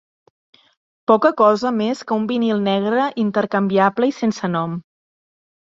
Poca cosa més que un vinil negre intercanviable i sense nom.